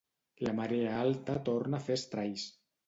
La marea alta torna a fer estralls.